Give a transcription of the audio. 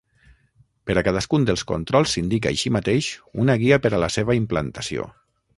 Per a cadascun dels controls s'indica així mateix una guia per a la seva implantació.